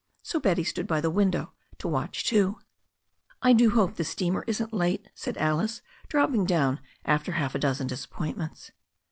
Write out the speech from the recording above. So Betty stood by the window to watch too. "I do hope the steamer isn't late," said Alice, dropping down after half a dozen disappointments.